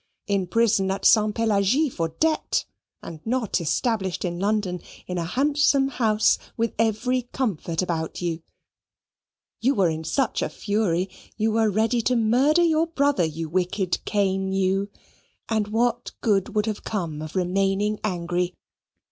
in prison at Ste. Pelagie for debt, and not established in London in a handsome house, with every comfort about you you were in such a fury you were ready to murder your brother, you wicked Cain you, and what good would have come of remaining angry?